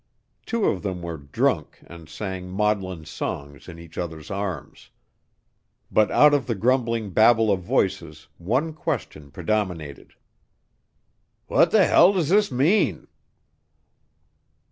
Two of them were drunk and sang maudlin songs in each other's arms. But out of the grumbling babel of voices one question predominated. "Wha' th' hell does this mean?"